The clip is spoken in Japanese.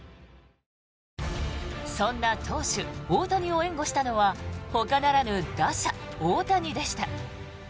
そんな投手・大谷を援護したのはほかならぬ打者・大谷でした。